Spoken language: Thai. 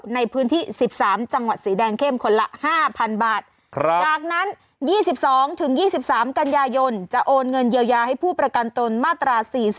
ในพื้นที่๑๓จังหวัดสีแดงเข้มคนละ๕๐๐๐บาทจากนั้น๒๒๒๓กันยายนจะโอนเงินเยียวยาให้ผู้ประกันตนมาตรา๔๔